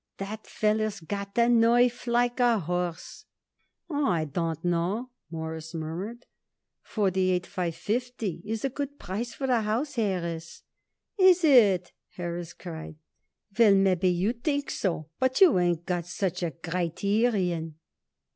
"That feller's got a nerve like a horse." "Oh, I don't know," Morris murmured. "Forty eight five fifty is a good price for the house, Harris." "Is it?" Harris cried. "Well, maybe you think so, but you ain't such a _gri_terion."